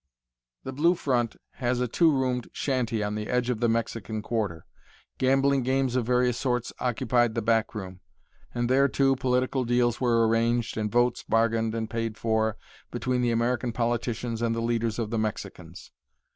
The "Blue Front" was a two roomed shanty on the edge of the Mexican quarter. Gambling games of various sorts occupied the back room; and there, too, political deals were arranged and votes bargained and paid for between the American politicians and the leaders of the Mexicans.